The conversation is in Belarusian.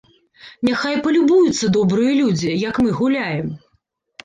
Няхай палюбуюцца добрыя людзі, як мы гуляем.